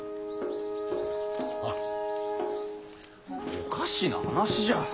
おかしな話じゃ。